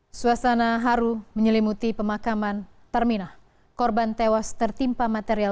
hai suasana haru menyelimuti pemakaman terminah korban tewas tertimpa material